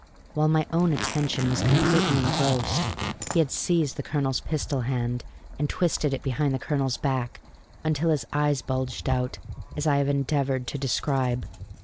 While my own attention was completely engrossed, he had seized the colonel's pistol hand and twisted it behind the colonel's back until his eyes bulged out as I have endeavored to describe.